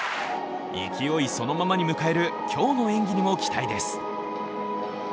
勢いそのままに迎える今日の演技にも期待です。